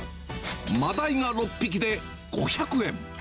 マダイが６匹で５００円。